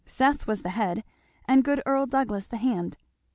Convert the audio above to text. Seth was the head, and good Earl Douglass the hand."